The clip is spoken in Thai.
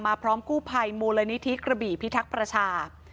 พร้อมกู้ภัยมูลนิธิกระบี่พิทักษ์ประชา